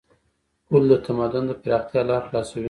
پل د تمدن د پراختیا لار خلاصوي.